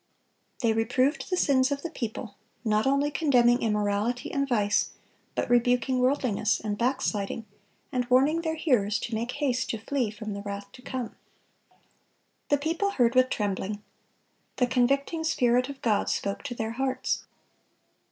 They reproved the sins of the people, not only condemning immorality and vice, but rebuking worldliness and backsliding, and warning their hearers to make haste to flee from the wrath to come. The people heard with trembling. The convicting Spirit of God spoke to their hearts.